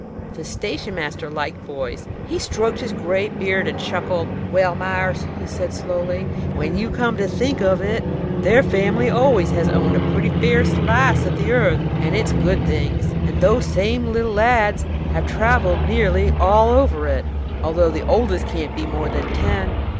The station master liked boys. He stroked his gray beard and chuckled. "Well, Meyers," he said, slowly, "when you come to think of it, their family always has owned a pretty fair slice of the earth and its good things, and those same little lads have travelled nearly all over it, although the oldest can't be more than ten.